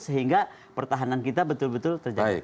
sehingga pertahanan kita betul betul terjaga